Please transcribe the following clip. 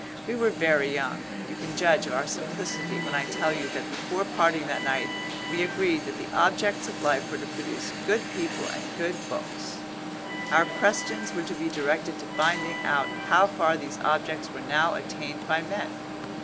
We were very young. You can judge of our simplicity when I tell you that before parting that night we agreed that the objects of life were to produce good people and good books. Our questions were to be directed to finding out how far these objects were now attained by men.